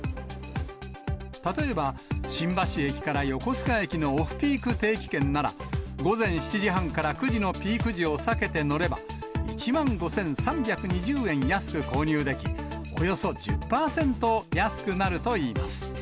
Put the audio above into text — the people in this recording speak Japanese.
例えば、新橋駅から横須賀駅のオフピーク定期券なら、午前７時半から９時のピーク時を避けて乗れば、１万５３２０円安く購入でき、およそ１０％安くなるといいます。